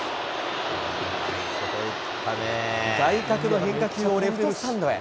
外角の変化球をレフトスタンドへ。